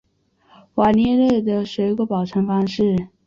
瓦列涅的水果保存方式。